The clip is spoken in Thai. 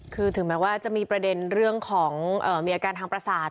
คือถึงแม้ว่าจะมีประเด็นเรื่องของมีอาการทางประสาท